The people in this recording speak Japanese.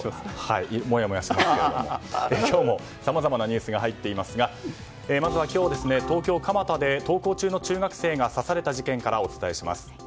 今日もさまざまなニュースが入っていますが、まずは今日東京・蒲田で登校中の中学生が刺された事件からお伝えします。